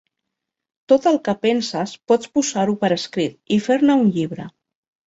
Tot el que penses pots posar-ho per escrit i fer-ne un llibre.